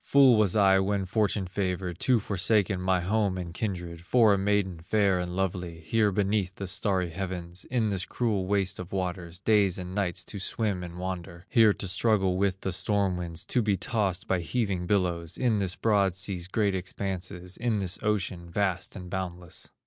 Fool was I when fortune favored, To forsake my home and kindred, For a maiden fair and lovely, Here beneath the starry heavens, In this cruel waste of waters, Days and nights to swim and wander, Here to struggle with the storm winds, To be tossed by heaving billows, In this broad sea's great expanses, In this ocean vast and boundless.